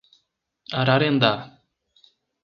Ararendá